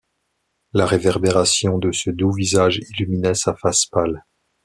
La réverbération de ce doux visage illuminait sa face pâle.